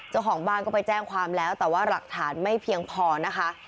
เจ้าของบ้านก็ไปแจ้งความแล้วแต่ว่าหลักฐานไม่เพียงพอนะคะ